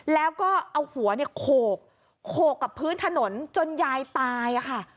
แล้วก็เอาหัวเนี่ยโขกโขกกับพื้นถนนจนยายตายค่ะ